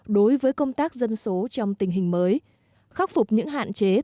đối với công tác dân số trong tình hình mới khắc phục những hạn chế tồn tại